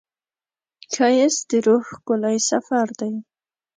ښایست د روح ښکلی سفر دی